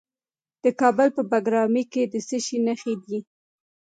د کابل په بګرامي کې د څه شي نښې دي؟